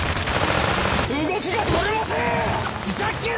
動きが取れません！